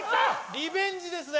リベンジですね。